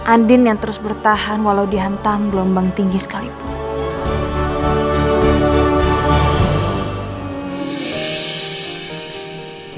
andin yang terus bertahan walau dihantam gelombang tinggi sekalipun